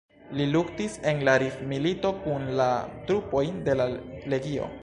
Li luktis en la Rif-milito kun la trupoj de la Legio.